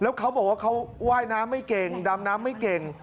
เขาบอกว่าเขาว่ายน้ำไม่เก่งดำน้ำไม่เก่ง